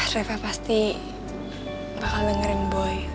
reva pasti bakal dengerin boy